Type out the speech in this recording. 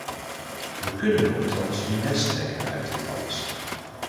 We kunnen nochtans een les trekken uit dit alles.